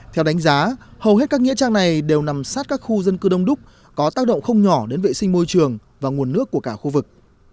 theo đánh giá hầu hết các nghĩa trang này đều nằm sát các khu dân cư đông đúc có tác động không nhỏ đến vệ sinh môi trường và nguồn nước của cả khu vực